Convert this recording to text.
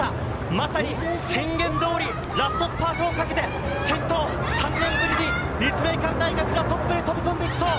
まさに宣言通り、ラストスパートをかけて先頭３年ぶりに立命館大学がトップへ飛び込んできそう。